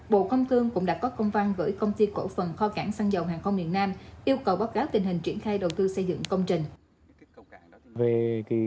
bộ công thương cũng đã có công văn gửi công ty cổ phần kho cảng xăng dầu hàng không miền nam yêu cầu báo cáo tình hình triển khai đầu tư xây dựng công trình